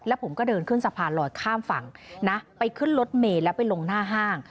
แล้วผมก็เดินขึ้นสะพานลอยข้ามฝั่งนะไปขึ้นรถเมย์แล้วไปลงหน้าห้าง